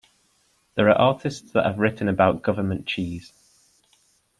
There are artists that have written about government cheese.